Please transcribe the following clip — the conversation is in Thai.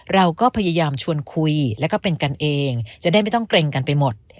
เราก็พยายามชวนคุยแล้วก็เป็นกันเองจะได้ไม่ต้องเกร็งกันไปหมด